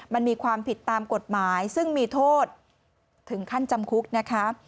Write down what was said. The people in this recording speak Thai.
มันมีความผิดตามกฎหมายซึ่งมีโทษถึงขั้นจำคุกนะคะ